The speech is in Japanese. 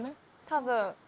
多分。